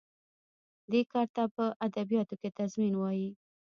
دې کار ته په ادبیاتو کې تضمین وايي.